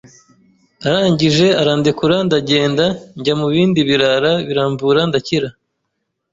arangije arandekura ndagenda njya mu bindi birara biramvura ndakira